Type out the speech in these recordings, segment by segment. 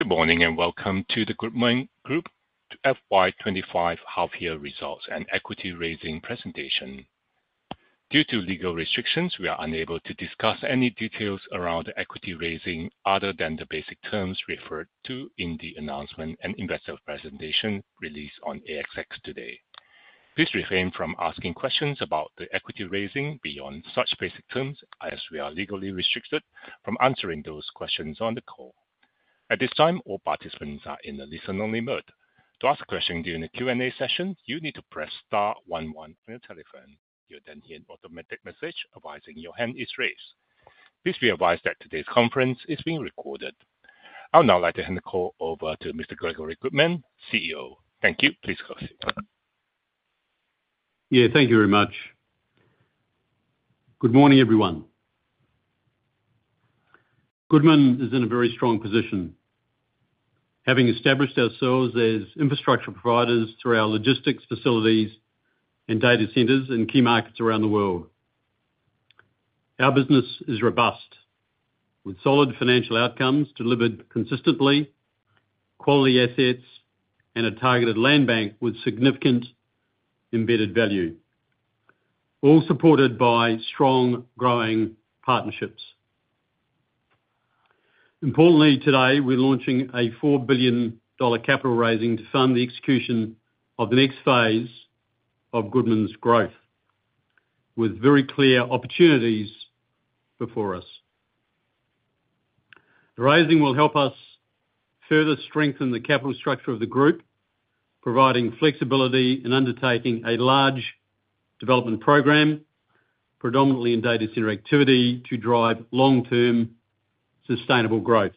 Good morning and welcome to the Goodman Group FY 2025 half-year results and equity raising presentation. Due to legal restrictions, we are unable to discuss any details around equity raising other than the basic terms referred to in the announcement and investor presentation released on ASX today. Please refrain from asking questions about the equity raising beyond such basic terms, as we are legally restricted from answering those questions on the call. At this time, all participants are in a listen-only mode. To ask a question during the Q&A session, you need to press star one one on your telephone. You'll then hear an automatic message advising your hand is raised. Please be advised that today's conference is being recorded. I'll now like to hand the call over to Mr. Gregory Goodman, CEO. Thank you. Please go ahead. Yeah, thank you very much. Good morning, everyone. Goodman is in a very strong position, having established ourselves as infrastructure providers through our logistics facilities and data centers in key markets around the world. Our business is robust, with solid financial outcomes delivered consistently, quality assets, and a targeted land bank with significant embedded value, all supported by strong growing partnerships. Importantly, today we're launching a 4 billion dollar capital raising to fund the execution of the next phase of Goodman's growth, with very clear opportunities before us. The raising will help us further strengthen the capital structure of the group, providing flexibility in undertaking a large development program, predominantly in data center activity, to drive long-term sustainable growth.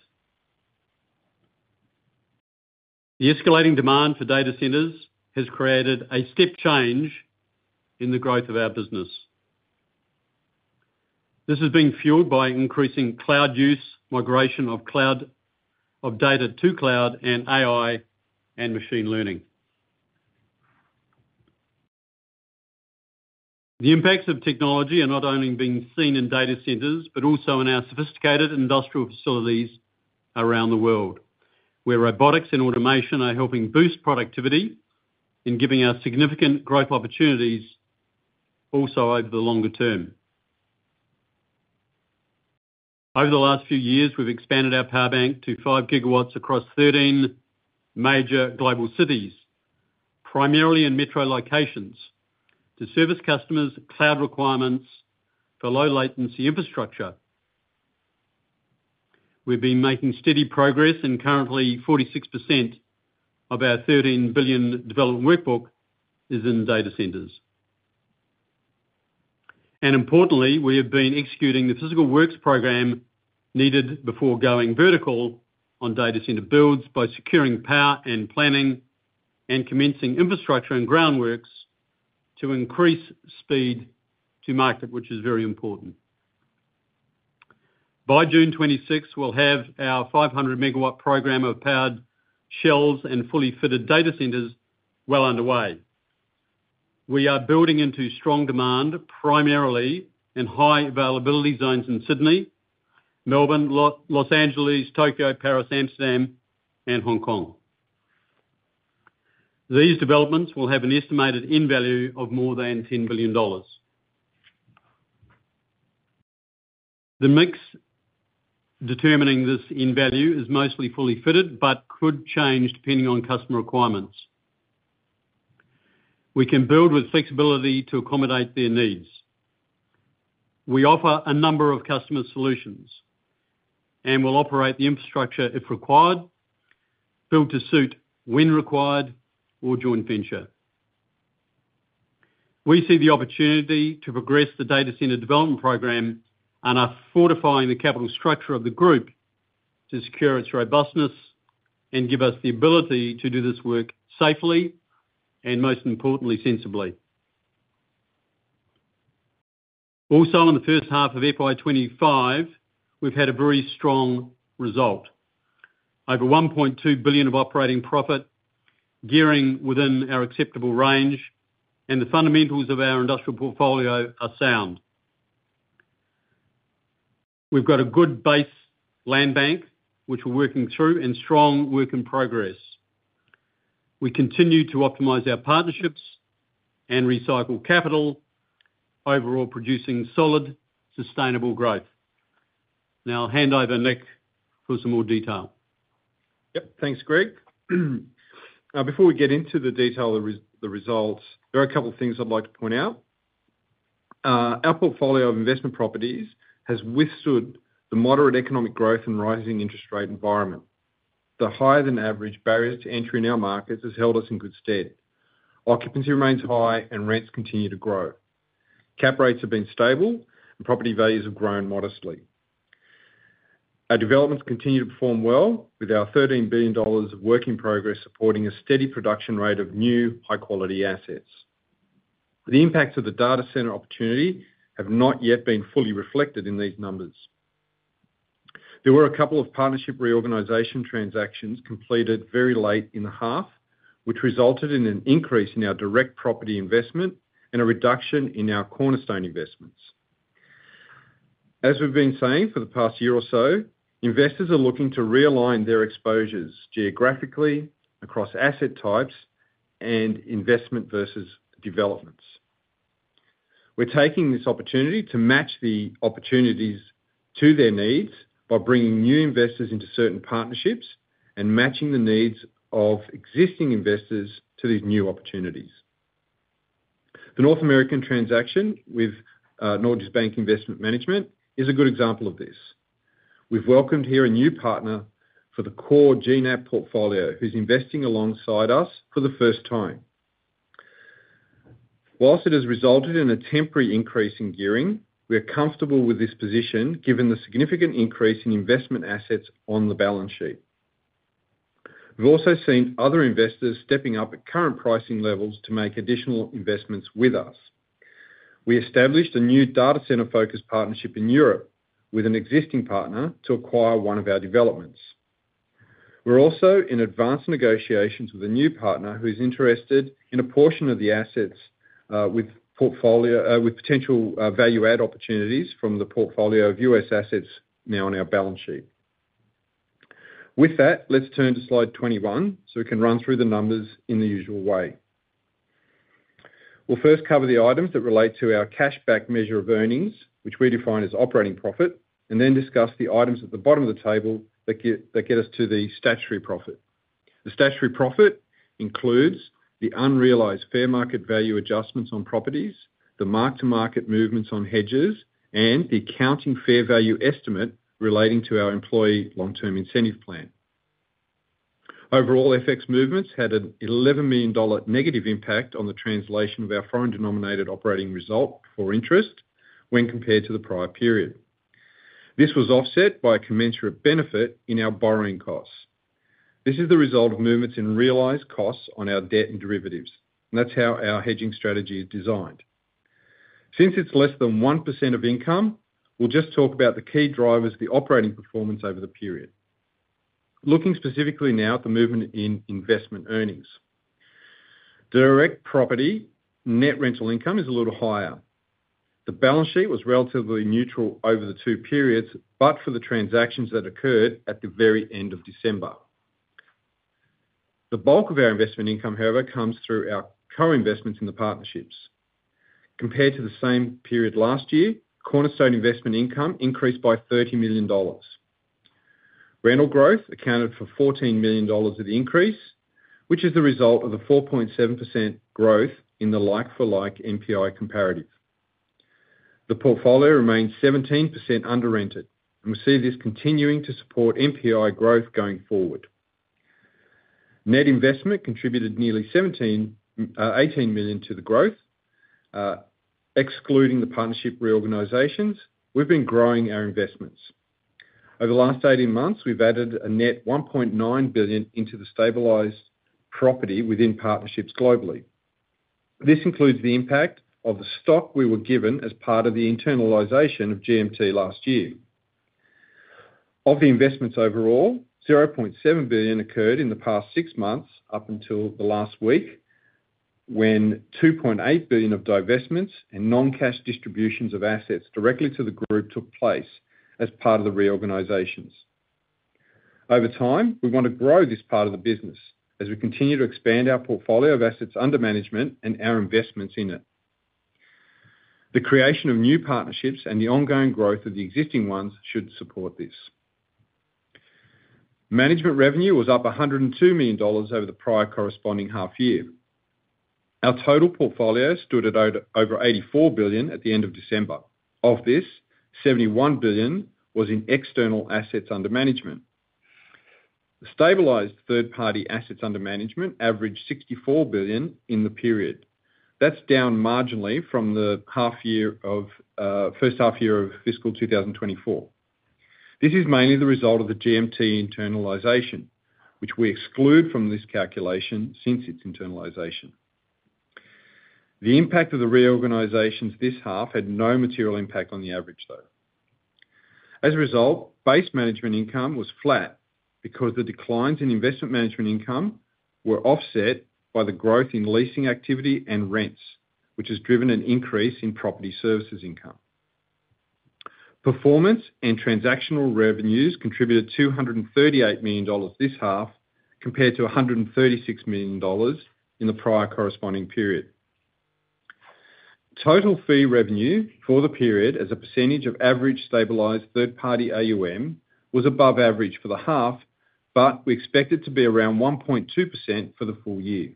The escalating demand for data centers has created a step change in the growth of our business. This has been fueled by increasing cloud use, migration of data to cloud, and AI and machine learning. The impacts of technology are not only being seen in data centers, but also in our sophisticated industrial facilities around the world, where robotics and automation are helping boost productivity and giving us significant growth opportunities also over the longer term. Over the last few years, we've expanded our power bank to five gigawatts across 13 major global cities, primarily in metro locations, to service customers' cloud requirements for low-latency infrastructure. We've been making steady progress, and currently, 46% of our 13 billion development workbook is in data centers. And importantly, we have been executing the physical works program needed before going vertical on data center builds by securing power and planning and commencing infrastructure and groundworks to increase speed to market, which is very important. By June '26, we'll have our 500 MW program of powered shells and fully fitted data centers well underway. We are building into strong demand, primarily in high availability zones in Sydney, Melbourne, Los Angeles, Tokyo, Paris, Amsterdam, and Hong Kong. These developments will have an estimated end value of more than 10 billion dollars. The mix determining this end value is mostly fully fitted but could change depending on customer requirements. We can build with flexibility to accommodate their needs. We offer a number of customer solutions and will operate the infrastructure if required, built to suit when required or joint venture. We see the opportunity to progress the data center development program and are fortifying the capital structure of the group to secure its robustness and give us the ability to do this work safely and, most importantly, sensibly. Also, in the first half of FY 2025, we've had a very strong result. Over 1.2 billion of operating profit, gearing within our acceptable range, and the fundamentals of our industrial portfolio are sound. We've got a good base land bank, which we're working through, and strong work in progress. We continue to optimize our partnerships and recycle capital, overall producing solid, sustainable growth. Now, I'll hand over Nick for some more detail. Yep, thanks, Greg. Now, before we get into the detail of the results, there are a couple of things I'd like to point out. Our portfolio of investment properties has withstood the moderate economic growth and rising interest rate environment. The higher-than-average barriers to entry in our markets has held us in good stead. Occupancy remains high, and rents continue to grow. Cap rates have been stable, and property values have grown modestly. Our developments continue to perform well, with our 13 billion dollars of work in progress supporting a steady production rate of new high-quality assets. The impacts of the data center opportunity have not yet been fully reflected in these numbers. There were a couple of partnership reorganization transactions completed very late in the half, which resulted in an increase in our direct property investment and a reduction in our cornerstone investments. As we've been saying for the past year or so, investors are looking to realign their exposures geographically across asset types and investment versus developments. We're taking this opportunity to match the opportunities to their needs by bringing new investors into certain partnerships and matching the needs of existing investors to these new opportunities. The North American transaction with Norges Bank Investment Management is a good example of this. We've welcomed here a new partner for the core GNAP portfolio, who's investing alongside us for the first time. While it has resulted in a temporary increase in gearing, we are comfortable with this position given the significant increase in investment assets on the balance sheet. We've also seen other investors stepping up at current pricing levels to make additional investments with us. We established a new data center-focused partnership in Europe with an existing partner to acquire one of our developments. We're also in advanced negotiations with a new partner who's interested in a portion of the assets with potential value-add opportunities from the portfolio of U.S. assets now on our balance sheet. With that, let's turn to slide 21 so we can run through the numbers in the usual way. We'll first cover the items that relate to our cashback measure of earnings, which we define as operating profit, and then discuss the items at the bottom of the table that get us to the statutory profit. The statutory profit includes the unrealized fair market value adjustments on properties, the mark-to-market movements on hedges, and the accounting fair value estimate relating to our employee long-term incentive plan. Overall, FX movements had an 11 million dollar negative impact on the translation of our foreign-denominated operating result before interest when compared to the prior period. This was offset by a commensurate benefit in our borrowing costs. This is the result of movements in realized costs on our debt and derivatives, and that's how our hedging strategy is designed. Since it's less than 1% of income, we'll just talk about the key drivers of the operating performance over the period. Looking specifically now at the movement in investment earnings, direct property net rental income is a little higher. The balance sheet was relatively neutral over the two periods, but for the transactions that occurred at the very end of December. The bulk of our investment income, however, comes through our co-investments in the partnerships. Compared to the same period last year, cornerstone investment income increased by 30 million dollars. Rental growth accounted for 14 million dollars of the increase, which is the result of a 4.7% growth in the like-for-like NPI comparative. The portfolio remained 17% under-rented, and we see this continuing to support NPI growth going forward. Net investment contributed nearly 18 million to the growth. Excluding the partnership reorganizations, we've been growing our investments. Over the last 18 months, we've added a net 1.9 billion into the stabilized property within partnerships globally. This includes the impact of the stock we were given as part of the internalization of GMT last year. Of the investments overall, 0.7 billion occurred in the past six months up until the last week when 2.8 billion of divestments and non-cash distributions of assets directly to the group took place as part of the reorganizations. Over time, we want to grow this part of the business as we continue to expand our portfolio of assets under management and our investments in it. The creation of new partnerships and the ongoing growth of the existing ones should support this. Management revenue was up 102 million dollars over the prior corresponding half year. Our total portfolio stood at over 84 billion at the end of December. Of this, 71 billion was in external assets under management. The stabilized third-party assets under management averaged 64 billion in the period. That's down marginally from the first half year of fiscal 2024. This is mainly the result of the GMT internalization, which we exclude from this calculation since its internalization. The impact of the reorganizations this half had no material impact on the average, though. As a result, base management income was flat because the declines in investment management income were offset by the growth in leasing activity and rents, which has driven an increase in property services income. Performance and transactional revenues contributed 238 million dollars this half compared to 136 million dollars in the prior corresponding period. Total fee revenue for the period as a percentage of average stabilized third-party AUM was above average for the half, but we expect it to be around 1.2% for the full year.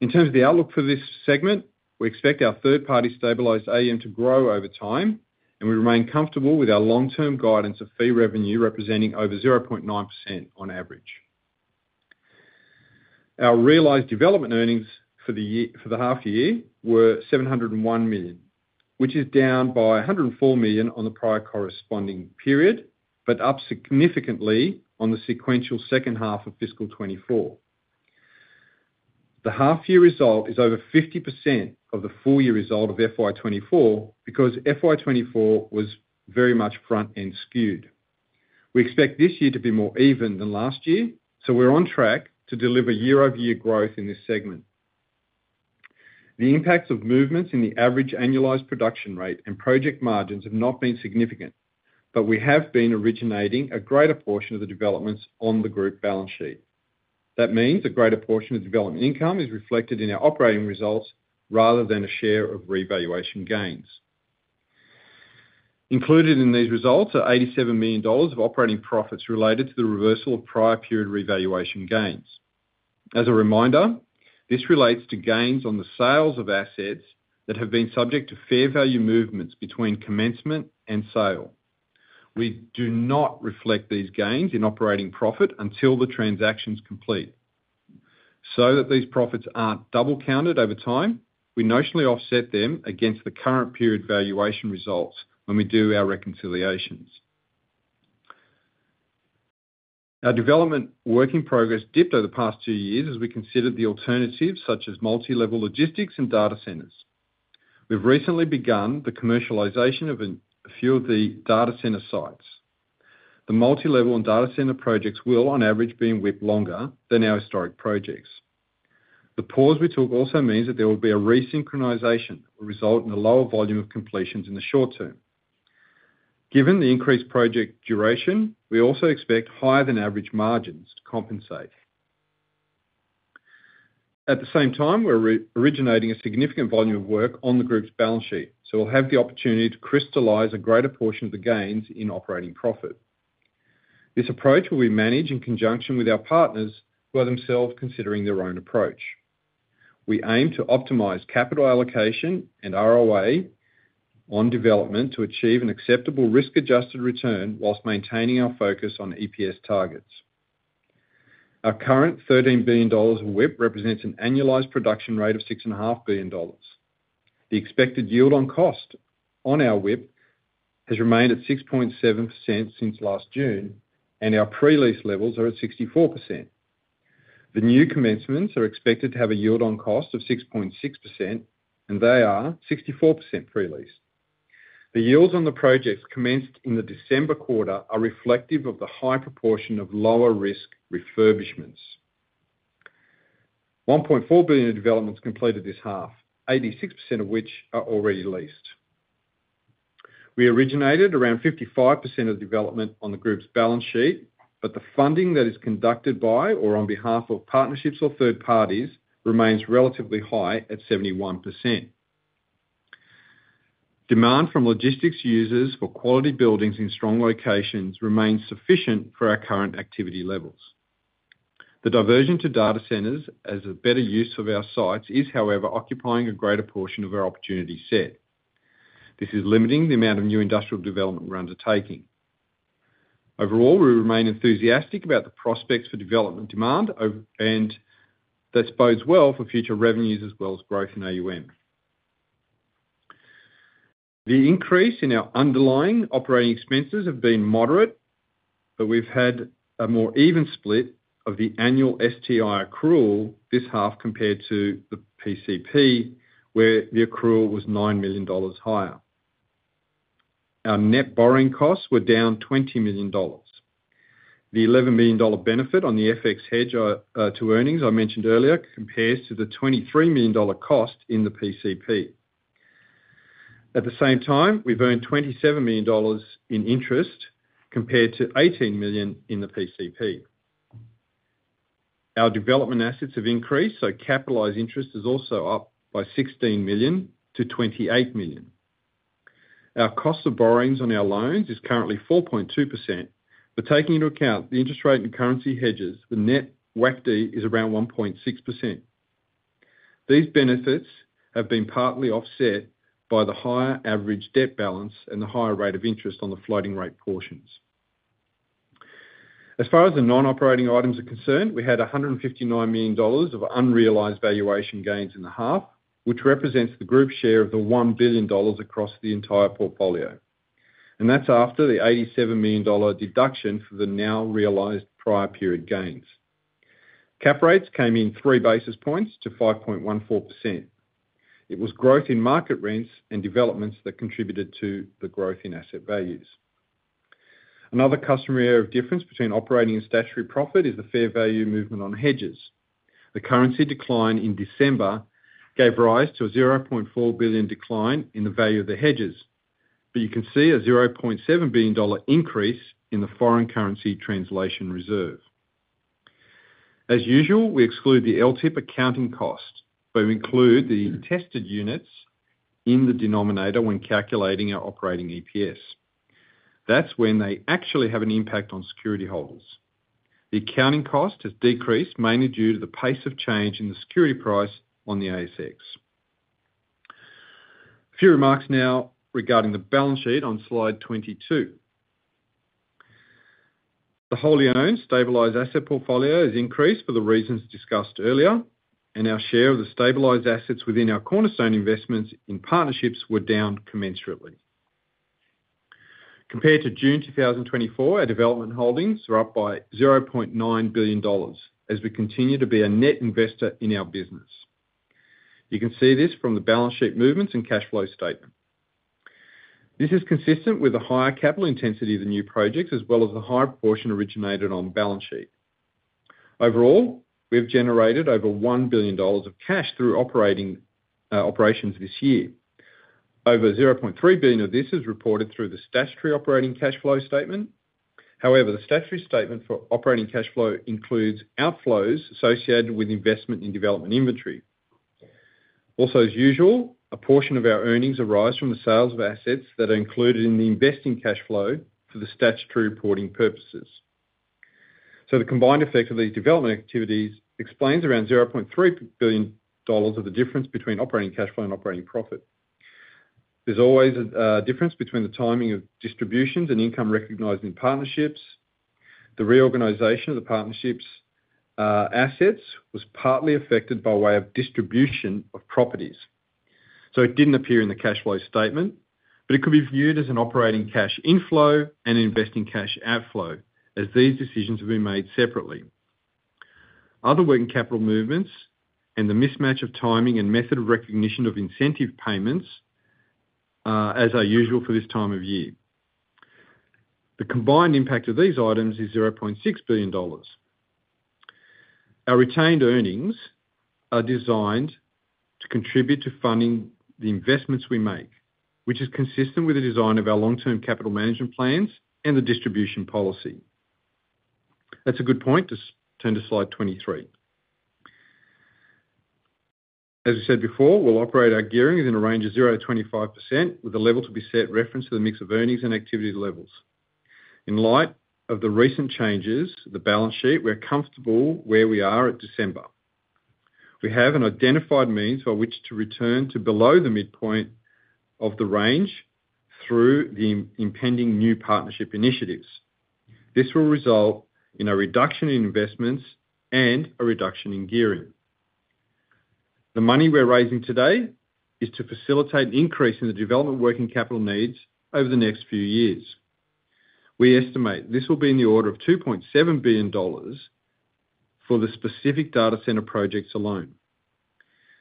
In terms of the outlook for this segment, we expect our third-party stabilized AUM to grow over time, and we remain comfortable with our long-term guidance of fee revenue representing over 0.9% on average. Our realized development earnings for the half year were 701 million, which is down by 104 million on the prior corresponding period but up significantly on the sequential second half of fiscal 2024. The half-year result is over 50% of the full-year result of FY 2024 because FY 2024 was very much front-end skewed. We expect this year to be more even than last year, so we're on track to deliver year-over-year growth in this segment. The impacts of movements in the average annualized production rate and project margins have not been significant, but we have been originating a greater portion of the developments on the group balance sheet. That means a greater portion of development income is reflected in our operating results rather than a share of revaluation gains. Included in these results are 87 million dollars of operating profits related to the reversal of prior period revaluation gains. As a reminder, this relates to gains on the sales of assets that have been subject to fair value movements between commencement and sale. We do not reflect these gains in operating profit until the transactions complete. So that these profits aren't double-counted over time, we notionally offset them against the current period valuation results when we do our reconciliations. Our development work in progress dipped over the past two years as we considered the alternatives such as multi-level logistics and data centers. We've recently begun the commercialization of a few of the data center sites. The multi-level and data center projects will, on average, be in WIP longer than our historic projects. The pause we took also means that there will be a resynchronization resulting in a lower volume of completions in the short term. Given the increased project duration, we also expect higher-than-average margins to compensate. At the same time, we're originating a significant volume of work on the group's balance sheet, so we'll have the opportunity to crystallize a greater portion of the gains in operating profit. This approach will be managed in conjunction with our partners who are themselves considering their own approach. We aim to optimize capital allocation and ROA on development to achieve an acceptable risk-adjusted return whilst maintaining our focus on EPS targets. Our current AUD 13 billion of WIP represents an annualized production rate of AUD 6.5 billion. The expected yield on cost on our WIP has remained at 6.7% since last June, and our pre-lease levels are at 64%. The new commencements are expected to have a yield on cost of 6.6%, and they are 64% pre-lease. The yields on the projects commenced in the December quarter are reflective of the high proportion of lower-risk refurbishments. 1.4 billion of developments completed this half, 86% of which are already leased. We originated around 55% of the development on the group's balance sheet, but the funding that is conducted by or on behalf of partnerships or third parties remains relatively high at 71%. Demand from logistics users for quality buildings in strong locations remains sufficient for our current activity levels. The diversion to data centers as a better use of our sites is, however, occupying a greater portion of our opportunity set. This is limiting the amount of new industrial development we're undertaking. Overall, we remain enthusiastic about the prospects for development demand, and that bodes well for future revenues as well as growth in AUM. The increase in our underlying operating expenses has been moderate, but we've had a more even split of the annual STI accrual this half compared to the PCP, where the accrual was 9 million dollars higher. Our net borrowing costs were down 20 million dollars. The 11 million dollar benefit on the FX hedge to earnings I mentioned earlier compares to the 23 million dollar cost in the PCP. At the same time, we've earned 27 million dollars in interest compared to 18 million in the PCP. Our development assets have increased, so capitalized interest is also up by 16 million-28 million. Our cost of borrowings on our loans is currently 4.2%, but taking into account the interest rate and currency hedges, the net WACD is around 1.6%. These benefits have been partly offset by the higher average debt balance and the higher rate of interest on the floating rate portions. As far as the non-operating items are concerned, we had 159 million dollars of unrealized valuation gains in the half, which represents the group share of the 1 billion dollars across the entire portfolio. And that's after the 87 million dollar deduction for the now realized prior period gains. Cap rates came in three basis points to 5.14%. It was growth in market rents and developments that contributed to the growth in asset values. Another customary area of difference between operating and statutory profit is the fair value movement on hedges. The currency decline in December gave rise to a 0.4 billion decline in the value of the hedges, but you can see a 0.7 billion dollar increase in the foreign currency translation reserve. As usual, we exclude the LTIP accounting cost, but we include the tested units in the denominator when calculating our operating EPS. That's when they actually have an impact on security holders. The accounting cost has decreased mainly due to the pace of change in the security price on the ASX. A few remarks now regarding the balance sheet on slide 22. The wholly owned stabilized asset portfolio has increased for the reasons discussed earlier, and our share of the stabilized assets within our cornerstone investments in partnerships were down commensurately. Compared to June 2024, our development holdings are up by $0.9 billion as we continue to be a net investor in our business. You can see this from the balance sheet movements and cash flow statement. This is consistent with the higher capital intensity of the new projects as well as the higher proportion originated on the balance sheet. Overall, we have generated over $1 billion of cash through operating operations this year. Over 0.3 billion of this is reported through the statutory operating cash flow statement. However, the statutory statement for operating cash flow includes outflows associated with investment in development inventory. Also, as usual, a portion of our earnings arises from the sales of assets that are included in the investing cash flow for the statutory reporting purposes. So the combined effect of these development activities explains around 0.3 billion dollars of the difference between operating cash flow and operating profit. There's always a difference between the timing of distributions and income recognized in partnerships. The reorganization of the partnerships' assets was partly affected by way of distribution of properties. So it didn't appear in the cash flow statement, but it could be viewed as an operating cash inflow and investing cash outflow as these decisions have been made separately. Other working capital movements and the mismatch of timing and method of recognition of incentive payments as our usual for this time of year. The combined impact of these items is $0.6 billion. Our retained earnings are designed to contribute to funding the investments we make, which is consistent with the design of our long-term capital management plans and the distribution policy. That's a good point to turn to slide 23. As we said before, we'll operate our gearing within a range of 0%-25% with a level to be set reference to the mix of earnings and activity levels. In light of the recent changes to the balance sheet, we're comfortable where we are at December. We have an identified means by which to return to below the midpoint of the range through the impending new partnership initiatives. This will result in a reduction in investments and a reduction in gearing. The money we're raising today is to facilitate an increase in the development working capital needs over the next few years. We estimate this will be in the order of 2.7 billion dollars for the specific data center projects alone.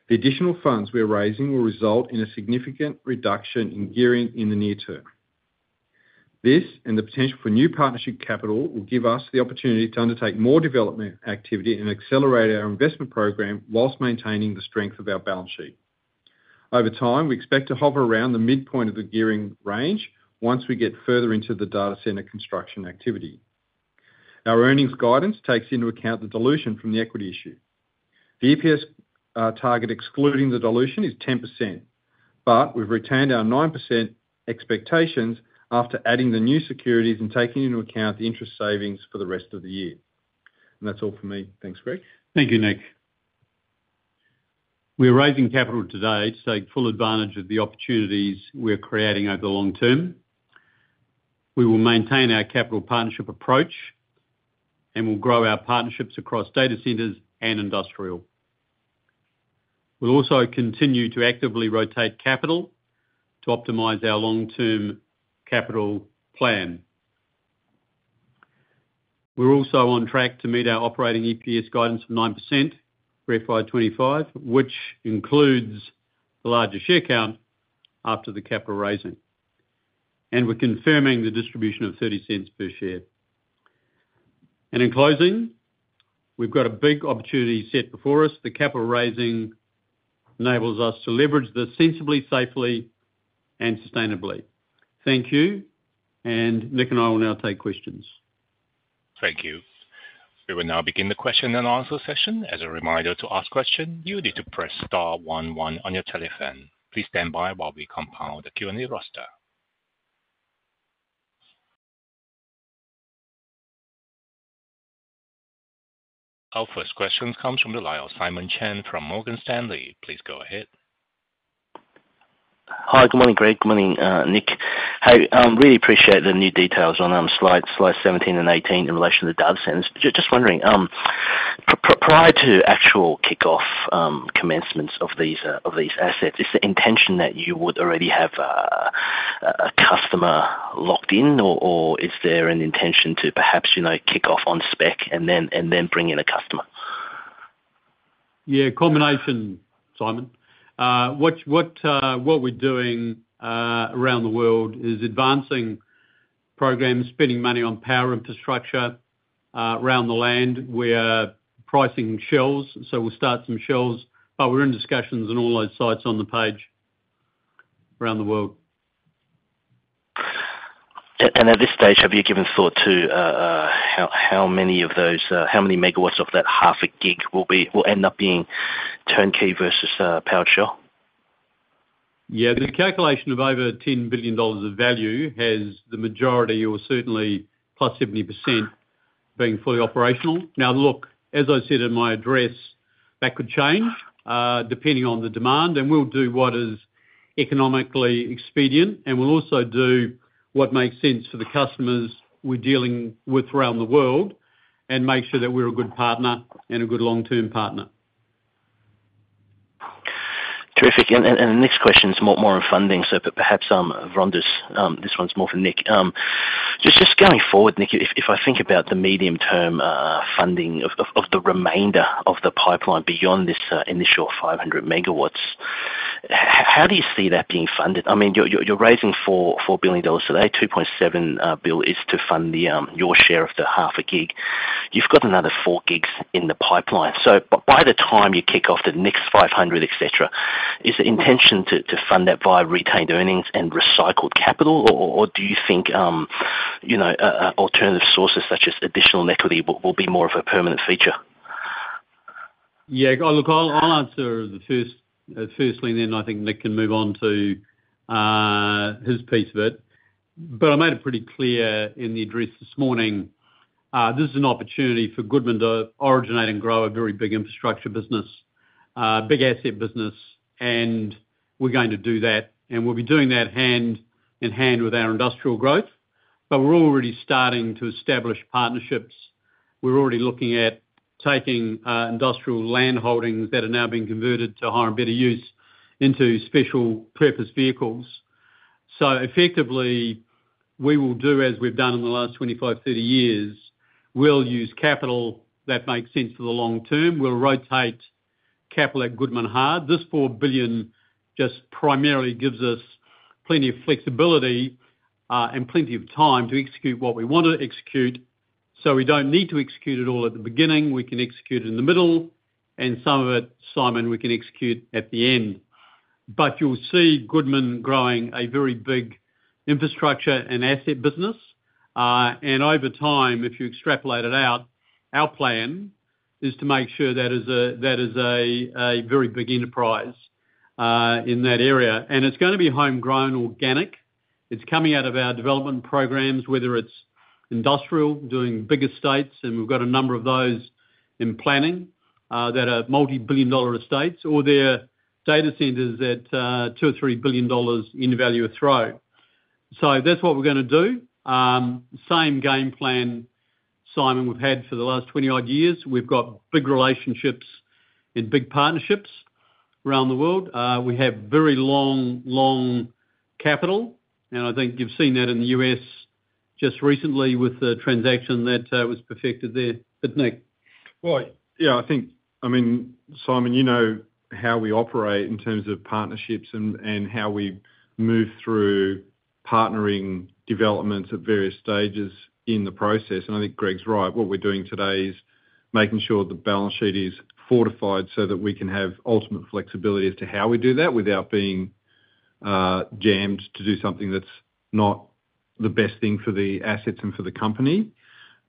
The additional funds we're raising will result in a significant reduction in gearing in the near term. This and the potential for new partnership capital will give us the opportunity to undertake more development activity and accelerate our investment program whilst maintaining the strength of our balance sheet. Over time, we expect to hover around the midpoint of the gearing range once we get further into the data center construction activity. Our earnings guidance takes into account the dilution from the equity issue. The EPS target excluding the dilution is 10%, but we've retained our 9% expectations after adding the new securities and taking into account the interest savings for the rest of the year. That's all for me. Thanks, Greg. Thank you, Nick. We're raising capital today to take full advantage of the opportunities we're creating over the long term. We will maintain our capital partnership approach and will grow our partnerships across data centers and industrial. We'll also continue to actively rotate capital to optimize our long-term capital plan. We're also on track to meet our operating EPS guidance of 9% for FY 2025, which includes the larger share count after the capital raising. We're confirming the distribution of 0.30 per share. In closing, we've got a big opportunity set before us. The capital raising enables us to leverage this sensibly, safely, and sustainably. Thank you. And Nick and I will now take questions. Thank you. We will now begin the question-and-answer session. As a reminder to ask questions, you need to press star 11 on your telephone. Please stand by while we compile the Q&A roster. Our first question comes from the line of Simon Chen from Morgan Stanley. Please go ahead. Hi, good morning, Greg. Good morning, Nick. Hey, I really appreciate the new details on slides 17 and 18 in relation to the data centers. Just wondering, prior to actual kickoff commencements of these assets, is the intention that you would already have a customer locked in, or is there an intention to perhaps kick off on spec and then bring in a customer? Yeah, combination, Simon. What we're doing around the world is advancing programs, spending money on power infrastructure around the land. We're pricing shells, so we'll start some shells, but we're in discussions on all those sites on the page around the world. And at this stage, have you given thought to how many of those, how many megawatts of that half a gig will end up being turnkey versus powered shell? Yeah, the calculation of over 10 billion dollars of value has the majority, or certainly +70%, being fully operational. Now, look, as I said in my address, that could change depending on the demand, and we'll do what is economically expedient, and we'll also do what makes sense for the customers we're dealing with around the world and make sure that we're a good partner and a good long-term partner. Terrific. And the next question is more on funding, so perhaps Vrondas, this one's more for Nick. Just going forward, Nick, if I think about the medium-term funding of the remainder of the pipeline beyond this initial 500 MW, how do you see that being funded? I mean, you're raising 4 billion dollars today. 2.7 billion is to fund your share of the half a gig. You've got another four gigs in the pipeline. So by the time you kick off the next 500, et cetera., is the intention to fund that via retained earnings and recycled capital, or do you think alternative sources such as additional equity will be more of a permanent feature? Yeah, look, I'll answer the first thing, then I think Nick can move on to his piece of it. But I made it pretty clear in the address this morning. This is an opportunity for Goodman to originate and grow a very big infrastructure business, big asset business, and we're going to do that. And we'll be doing that hand in hand with our industrial growth, but we're already starting to establish partnerships. We're already looking at taking industrial land holdings that are now being converted to higher and better use into special purpose vehicles. So effectively, we will do as we've done in the last 25, 30 years. We'll use capital that makes sense for the long term. We'll rotate capital at Goodman hard. This 4 billion just primarily gives us plenty of flexibility and plenty of time to execute what we want to execute. So we don't need to execute it all at the beginning. We can execute it in the middle, and some of it, Simon, we can execute at the end. But you'll see Goodman growing a very big infrastructure and asset business. Over time, if you extrapolate it out, our plan is to make sure that is a very big enterprise in that area. And it's going to be homegrown organic. It's coming out of our development programs, whether it's industrial doing big estates, and we've got a number of those in planning that are multi-billion-dollar estates or there are data centers at 2 billion or 3 billion dollars in value thereof. So that's what we're going to do. Same game plan, Simon, we've had for the last 20-odd years. We've got big relationships and big partnerships around the world. We have very long, long capital, and I think you've seen that in the U.S. just recently with the transaction that was perfected there. But, Nick. Yeah, I think, I mean, Simon, you know how we operate in terms of partnerships and how we move through partnering developments at various stages in the process. I think Greg's right. What we're doing today is making sure the balance sheet is fortified so that we can have ultimate flexibility as to how we do that without being jammed to do something that's not the best thing for the assets and for the company.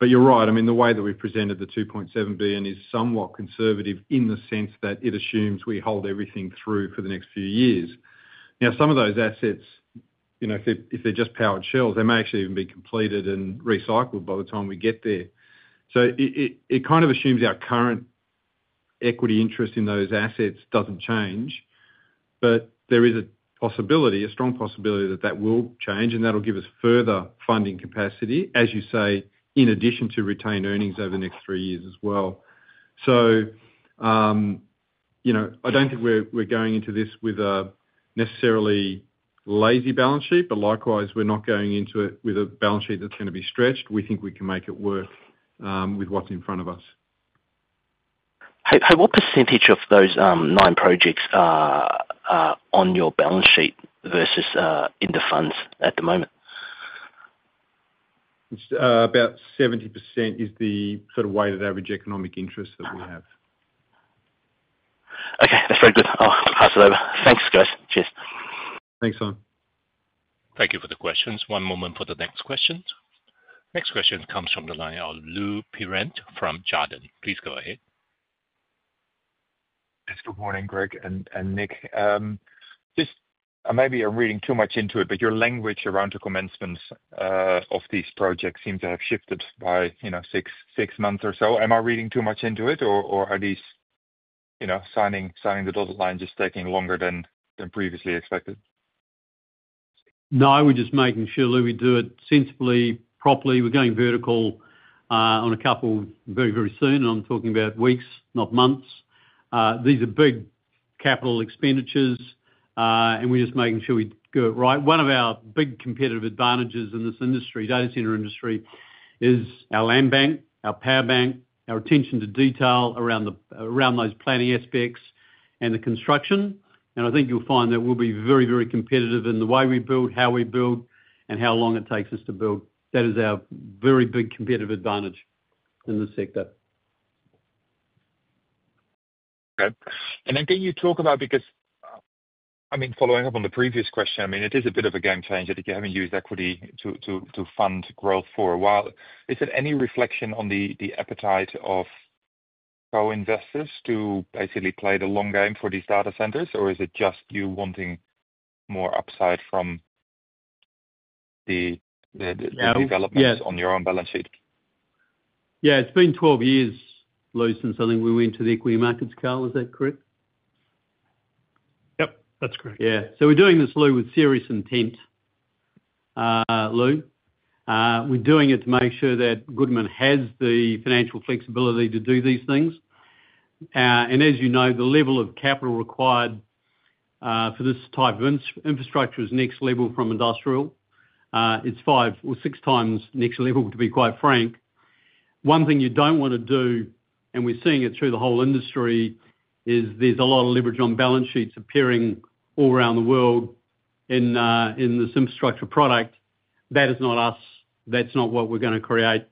You're right. I mean, the way that we've presented the 2.7 billion is somewhat conservative in the sense that it assumes we hold everything through for the next few years. Now, some of those assets, if they're just powered shells, they may actually even be completed and recycled by the time we get there. So it kind of assumes our current equity interest in those assets doesn't change, but there is a possibility, a strong possibility that that will change, and that'll give us further funding capacity, as you say, in addition to retained earnings over the next three years as well. So I don't think we're going into this with a necessarily lazy balance sheet, but likewise, we're not going into it with a balance sheet that's going to be stretched. We think we can make it work with what's in front of us. Hey, what percentage of those nine projects are on your balance sheet versus in the funds at the moment? About 70% is the sort of weighted average economic interest that we have. Okay, that's very good. I'll pass it over. Thanks, guys. Cheers. Thanks, Simon. Thank you for the questions. One moment for the next question. Next question comes from the line of Lou Pirenc from Jarden. Please go ahead. Good morning, Greg and Nick. Just maybe I'm reading too much into it, but your language around the commencements of these projects seems to have shifted by six months or so. Am I reading too much into it, or are these signing the dotted line just taking longer than previously expected? No, we're just making sure that we do it sensibly, properly. We're going vertical on a couple very, very soon, and I'm talking about weeks, not months. These are big capital expenditures, and we're just making sure we do it right. One of our big competitive advantages in this industry, data center industry, is our land bank, our power bank, our attention to detail around those planning aspects and the construction. I think you'll find that we'll be very, very competitive in the way we build, how we build, and how long it takes us to build. That is our very big competitive advantage in this sector. Okay. And then can you talk about, because I mean, following up on the previous question, I mean, it is a bit of a game changer that you haven't used equity to fund growth for a while. Is there any reflection on the appetite of co-investors to basically play the long game for these data centers, or is it just you wanting more upside from the developments on your own balance sheet? Yeah, it's been 12 years, Luke, since I think we went to the equity markets, Carl. Is that correct? Yep, that's correct. Yeah, so we're doing this look with serious intent, Lou. We're doing it to make sure that Goodman has the financial flexibility to do these things. As you know, the level of capital required for this type of infrastructure is next level from industrial. It's five or six times next level, to be quite frank. One thing you don't want to do, and we're seeing it through the whole industry, is there's a lot of leverage on balance sheets appearing all around the world in this infrastructure product. That is not us. That's not what we're going to create.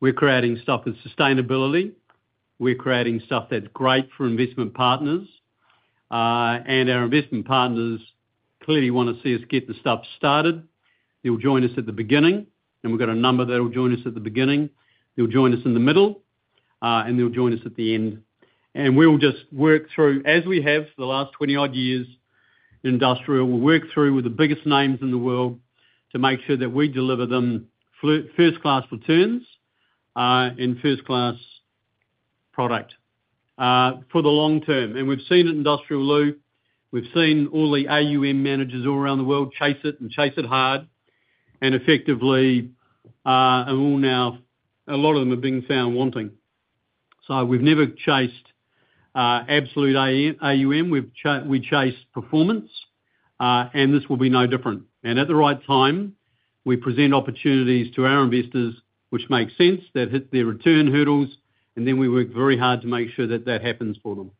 We're creating stuff with sustainability. We're creating stuff that's great for investment partners, and our investment partners clearly want to see us get the stuff started. They'll join us at the beginning, and we've got a number that will join us at the beginning. They'll join us in the middle, and they'll join us at the end. And we'll just work through, as we have for the last 20 odd years in industrial, we'll work through with the biggest names in the world to make sure that we deliver them first-class returns and first-class product for the long term. And we've seen it in industrial, Luke. We've seen all the AUM managers all around the world chase it and chase it hard and effectively, and we'll now, a lot of them have been found wanting. So we've never chased absolute AUM. We chase performance, and this will be no different. And at the right time, we present opportunities to our investors, which makes sense that hit their return hurdles, and then we work very hard to make sure that that happens for them.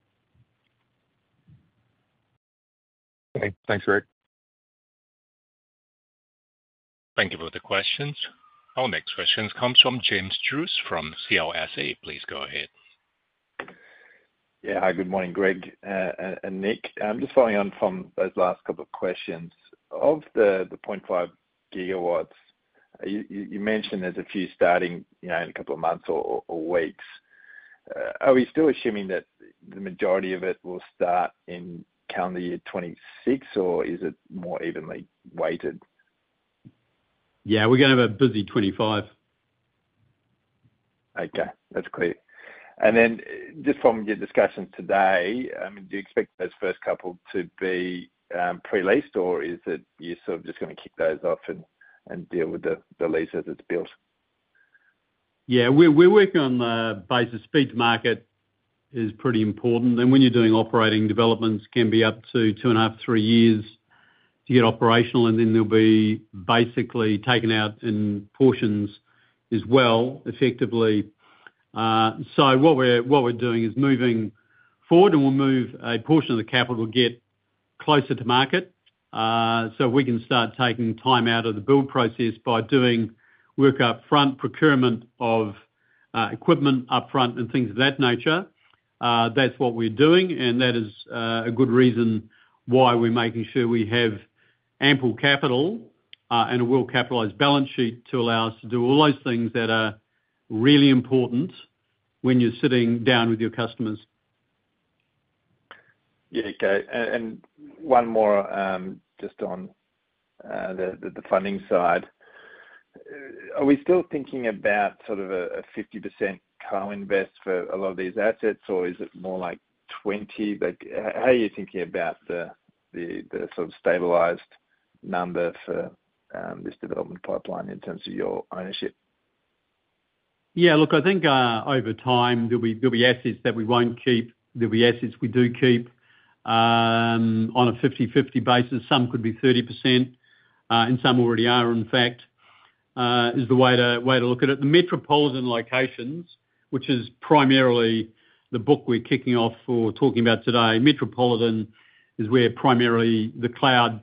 Okay. Thanks, Greg. Thank you for the questions. Our next question comes from James Druce from CLSA. Please go ahead. Yeah, hi, good morning, Greg and Nick. I'm just following on from those last couple of questions. Of the 0.5 gigawatts, you mentioned there's a few starting in a couple of months or weeks. Are we still assuming that the majority of it will start in calendar year 2026, or is it more evenly weighted? Yeah, we're going to have a busy 2025. Okay, that's clear. And then just from your discussion today, I mean, do you expect those first couple to be pre-leased, or is it you're sort of just going to kick those off and deal with the lease as it's built? Yeah, we're working on the basis speed to market is pretty important. And when you're doing operating developments, it can be up to two and a half, three years to get operational, and then they'll be basically taken out in portions as well, effectively. So what we're doing is moving forward, and we'll move a portion of the capital to get closer to market so we can start taking time out of the build process by doing work upfront, procurement of equipment upfront, and things of that nature. That's what we're doing, and that is a good reason why we're making sure we have ample capital and a well-capitalized balance sheet to allow us to do all those things that are really important when you're sitting down with your customers. Yeah, okay. And one more just on the funding side. Are we still thinking about sort of a 50% co-invest for a lot of these assets, or is it more like 20%? How are you thinking about the sort of stabilized number for this development pipeline in terms of your ownership? Yeah, look, I think over time, there'll be assets that we won't keep. There'll be assets we do keep on a 50/50 basis. Some could be 30%, and some already are, in fact, is the way to look at it. The metropolitan locations, which is primarily the book we're kicking off for talking about today, metropolitan is where primarily the cloud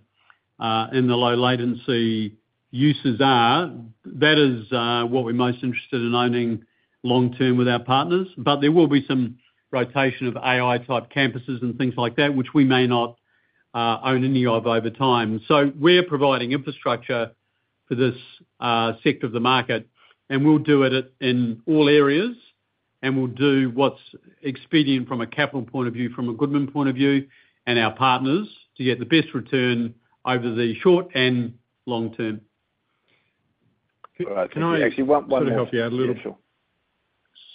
and the low-latency uses are. That is what we're most interested in owning long term with our partners. But there will be some rotation of AI-type campuses and things like that, which we may not own any of over time. So we're providing infrastructure for this sector of the market, and we'll do it in all areas, and we'll do what's expedient from a capital point of view, from a Goodman point of view, and our partners to get the best return over the short and long term. Can I actually one more thing?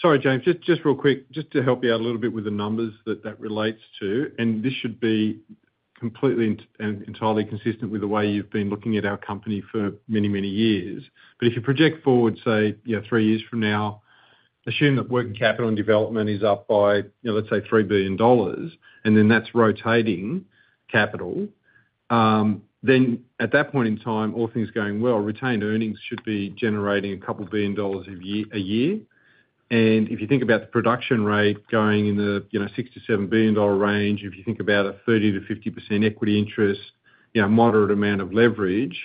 Sorry, James. Just real quick, just to help you out a little bit with the numbers that that relates to, and this should be completely and entirely consistent with the way you've been looking at our company for many, many years. But if you project forward, say, three years from now, assume that working capital and development is up by, let's say, 3 billion dollars, and then that's rotating capital, then at that point in time, all things going well, retained earnings should be generating a couple of billion dollars a year. And if you think about the production rate going in the 6 billion-7 billion dollar range, if you think about a 30%-50% equity interest, moderate amount of leverage,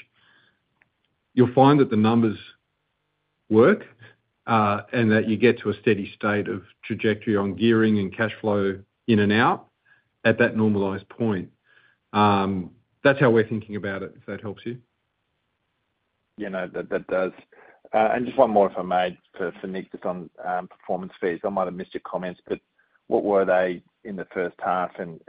you'll find that the numbers work and that you get to a steady state of trajectory on gearing and cash flow in and out at that normalized point. That's how we're thinking about it, if that helps you. Yeah, no, that does. And just one more if I may for Nick just on performance fees. I might have missed your comments, but what were they in the first half, and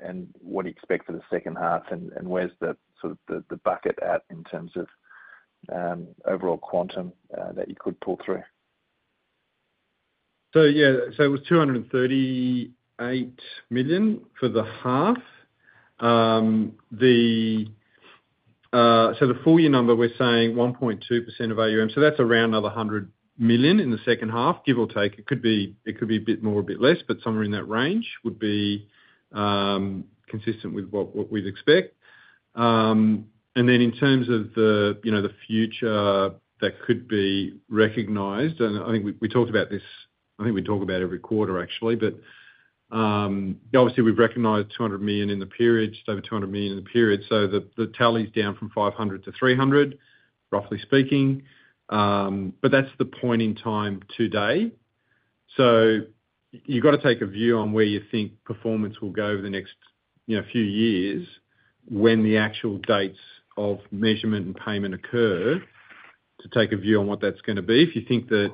what do you expect for the second half, and where's the sort of the bucket at in terms of overall quantum that you could pull through? So yeah, so it was 238 million for the half. So the full year number, we're saying 1.2% of AUM. So that's around another 100 million in the second half, give or take. It could be a bit more, a bit less, but somewhere in that range would be consistent with what we'd expect. And then in terms of the future that could be recognized, and I think we talked about this. I think we talk about every quarter, actually. But obviously, we've recognized 200 million in the period, just over 200 million in the period. So the tally's down from 500 to 300, roughly speaking. But that's the point in time today. So you've got to take a view on where you think performance will go over the next few years when the actual dates of measurement and payment occur to take a view on what that's going to be. If you think that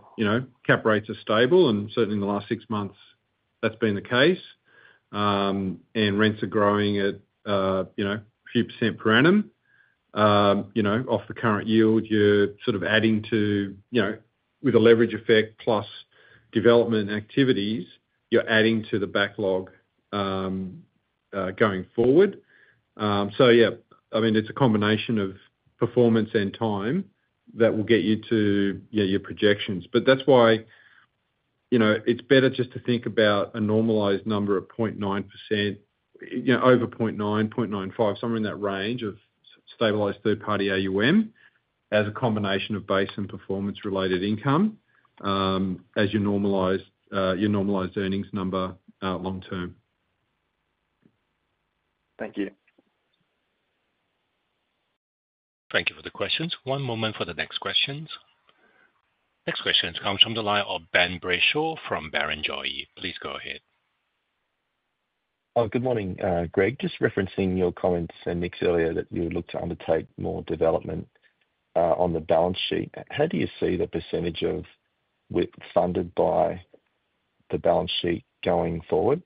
cap rates are stable, and certainly in the last six months, that's been the case, and rents are growing at a few % per annum off the current yield, you're sort of adding to with a leverage effect plus development activities, you're adding to the backlog going forward. So yeah, I mean, it's a combination of performance and time that will get you to your projections. But that's why it's better just to think about a normalized number of 0.9%, over 0.9%, 0.95%, somewhere in that range of stabilized third-party AUM as a combination of base and performance-related income as your normalized earnings number long term. Thank you. Thank you for the questions. One moment for the next questions. Next question comes from the line of Ben Brayshaw from Barrenjoey. Please go ahead. Good morning, Greg. Just referencing your comments and Nick's earlier that you look to undertake more development on the balance sheet. How do you see the percentage of funded by the balance sheet going forward?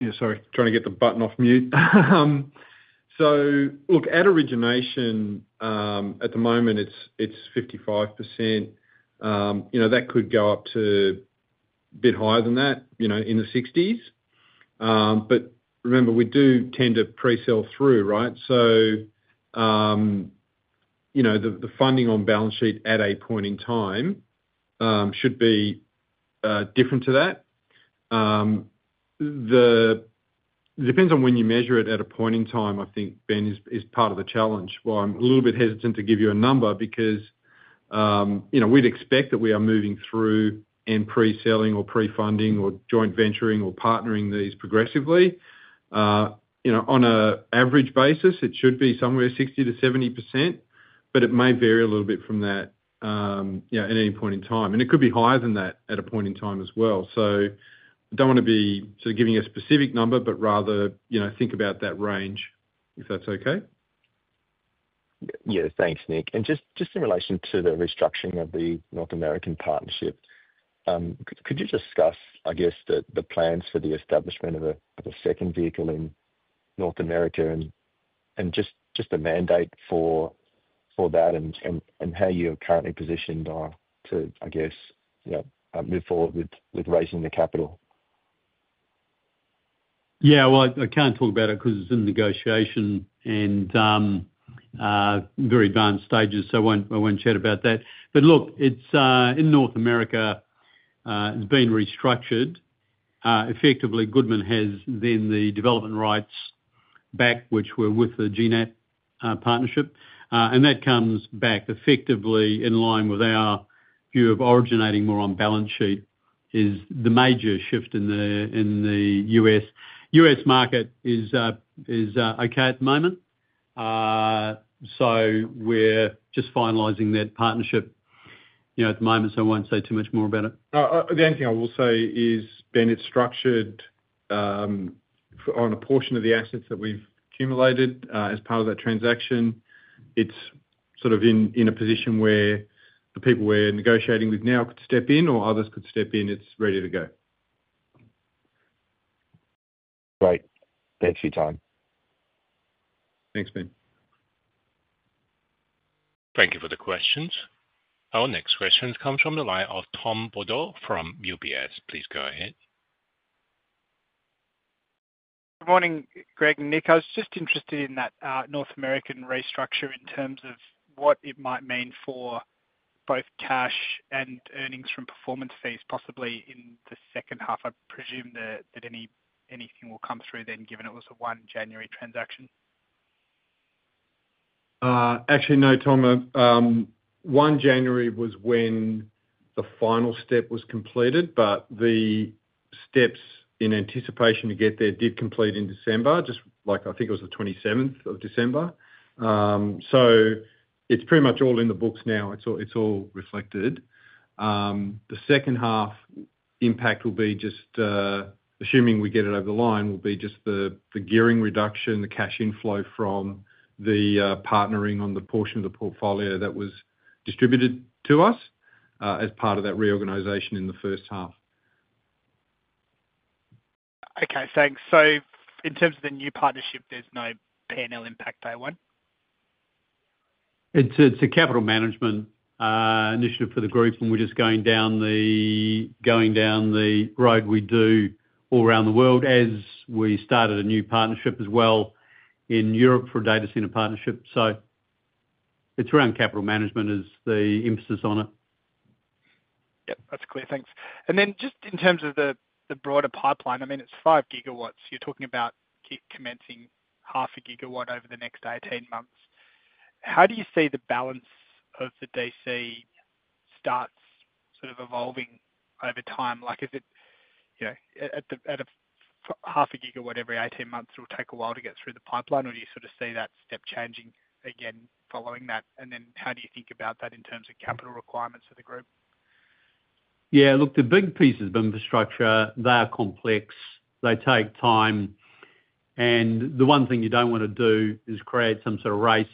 Yeah, sorry. Trying to get the button off mute. So look, at origination, at the moment, it's 55%. That could go up to a bit higher than that in the 60s%. But remember, we do tend to pre-sell through, right? So the funding on balance sheet at a point in time should be different to that. It depends on when you measure it at a point in time, I think, Ben, is part of the challenge. Well, I'm a little bit hesitant to give you a number because we'd expect that we are moving through and pre-selling or pre-funding or joint venturing or partnering these progressively. On an average basis, it should be somewhere 60%-70%, but it may vary a little bit from that at any point in time. And it could be higher than that at a point in time as well. So I don't want to be sort of giving you a specific number, but rather think about that range if that's okay. Yeah, thanks, Nick. And just in relation to the restructuring of the North American partnership, could you discuss, I guess, the plans for the establishment of a second vehicle in North America and just a mandate for that and how you're currently positioned to, I guess, move forward with raising the capital? Yeah, well, I can't talk about it because it's in negotiation and very advanced stages, so I won't chat about that. But look, in North America, it's been restructured. Effectively, Goodman has then the development rights back, which were with the GNAP partnership. And that comes back effectively in line with our view of originating more on balance sheet is the major shift in the U.S. U.S. market is okay at the moment. So we're just finalizing that partnership at the moment, so I won't say too much more about it. The only thing I will say is, Ben, it's structured on a portion of the assets that we've accumulated as part of that transaction. It's sort of in a position where the people we're negotiating with now could step in or others could step in. It's ready to go. Great. Thanks for your time. Thanks, Ben. Thank you for the questions. Our next question comes from the line of Tom Beadle from UBS. Please go ahead. Good morning, Greg and Nick. I was just interested in that North American restructure in terms of what it might mean for both cash and earnings from performance fees, possibly in the second half. I presume that anything will come through then, given it was a one January transaction. Actually, no, Tom. On January 1st was when the final step was completed, but the steps in anticipation to get there did complete in December, just like I think it was the 27th of December. So it's pretty much all in the books now. It's all reflected. The second half impact will be just assuming we get it over the line will be just the gearing reduction, the cash inflow from the partnering on the portion of the portfolio that was distributed to us as part of that reorganization in the first half. Okay, thanks. So in terms of the new partnership, there's no P&L impact day one? It's a capital management initiative for the group, and we're just going down the road we do all around the world as we started a new partnership as well in Europe for a data center partnership. So it's around capital management as the emphasis on it. Yep, that's clear. Thanks. And then just in terms of the broader pipeline, I mean, it's five gigawatts. You're talking about commencing 0.5 gigawatts over the next 18 months. How do you see the balance of the DC starts sort of evolving over time? Is it at 0.5 gigawatts every 18 months will take a while to get through the pipeline, or do you sort of see that step changing again following that? And then how do you think about that in terms of capital requirements for the group? Yeah, look, the big pieces of infrastructure, they are complex. They take time. And the one thing you don't want to do is create some sort of race.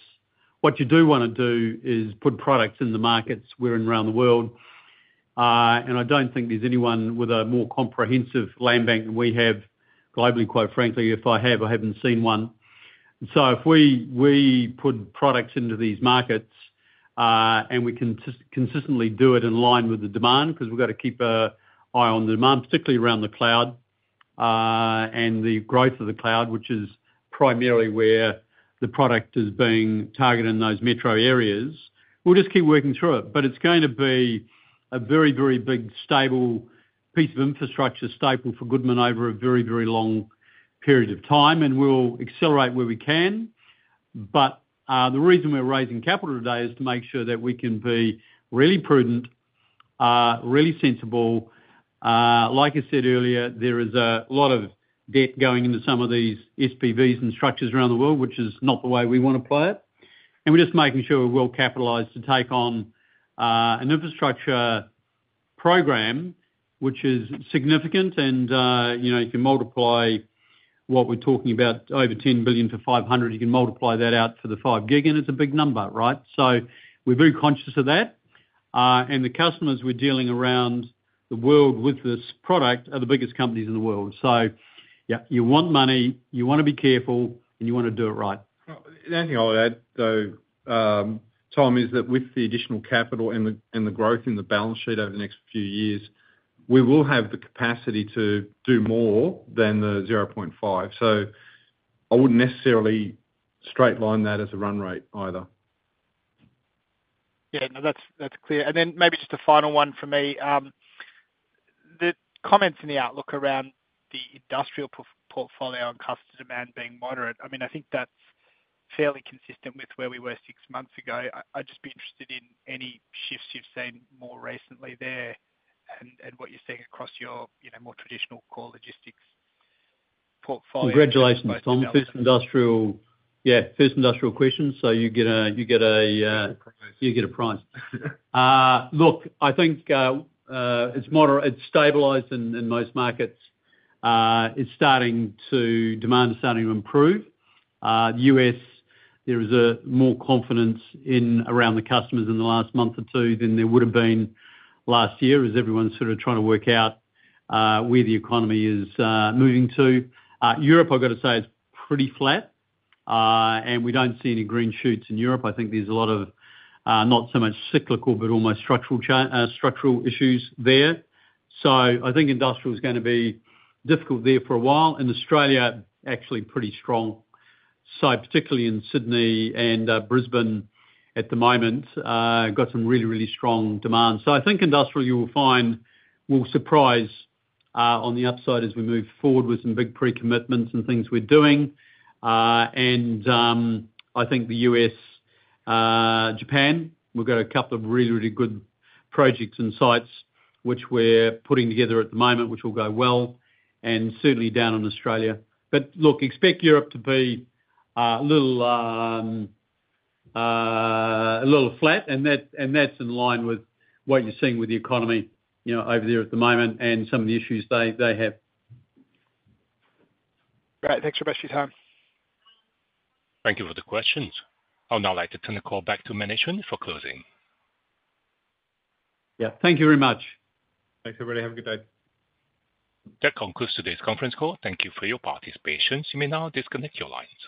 What you do want to do is put products in the markets where and around the world. And I don't think there's anyone with a more comprehensive land bank than we have globally, quite frankly. If I have, I haven't seen one. So if we put products into these markets and we can consistently do it in line with the demand, because we've got to keep an eye on the demand, particularly around the cloud and the growth of the cloud, which is primarily where the product is being targeted in those metro areas, we'll just keep working through it. But it's going to be a very, very big stable piece of infrastructure staple for Goodman over a very, very long period of time. And we'll accelerate where we can. But the reason we're raising capital today is to make sure that we can be really prudent, really sensible. Like I said earlier, there is a lot of debt going into some of these SPVs and structures around the world, which is not the way we want to play it. And we're just making sure we're well capitalized to take on an infrastructure program, which is significant. And you can multiply what we're talking about over 10 billion to 500. You can multiply that out for the five gig, and it's a big number, right? So we're very conscious of that. And the customers we're dealing around the world with this product are the biggest companies in the world. So yeah, you want money, you want to be careful, and you want to do it right. The only thing I'll add, though, Tom, is that with the additional capital and the growth in the balance sheet over the next few years, we will have the capacity to do more than the 0.5. So I wouldn't necessarily straight line that as a run rate either. Yeah, no, that's clear. And then maybe just a final one for me. The comments in the outlook around the industrial portfolio and the course of demand being moderate, I mean, I think that's fairly consistent with where we were six months ago. I'd just be interested in any shifts you've seen more recently there and what you're seeing across your more traditional core logistics portfolio. Congratulations, Tom. First industrial question. So you get a prize. Look, I think it's stabilized in most markets. Demand is starting to improve. The U.S., there was more confidence around the customers in the last month or two than there would have been last year as everyone's sort of trying to work out where the economy is moving to. Europe, I've got to say, is pretty flat, and we don't see any green shoots in Europe. I think there's a lot of not so much cyclical, but almost structural issues there, so I think industrial is going to be difficult there for a while, and Australia is actually pretty strong, so particularly in Sydney and Brisbane at the moment, got some really, really strong demand, so I think industrial you will find will surprise on the upside as we move forward with some big pre-commitments and things we're doing. I think the US, Japan, we've got a couple of really, really good projects and sites which we're putting together at the moment, which will go well. And certainly down in Australia. But look, expect Europe to be a little flat. And that's in line with what you're seeing with the economy over there at the moment and some of the issues they have. Great. Thanks for both of your time. Thank you for the questions. I'll now like to turn the call back to Manish for closing. Yeah, thank you very much. Thanks, everybody. Have a good day. That concludes today's conference call. Thank you for your participation. You may now disconnect your lines.